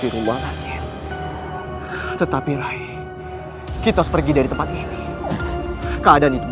nimas cepat ambil tombak itu